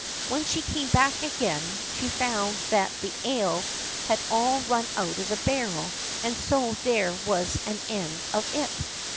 When she came back again, she found that the ale had all run out of the barrel, and so there was an end of it.